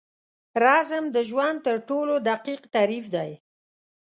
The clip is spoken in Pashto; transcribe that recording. رزم د ژوند تر ټولو دقیق تعریف دی.